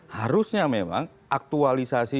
harusnya memang aktualisasi